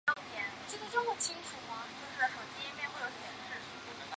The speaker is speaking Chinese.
名称来自先进互动执行系统。